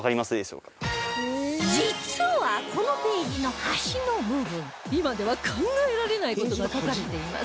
実はこのページの端の部分今では考えられない事が書かれています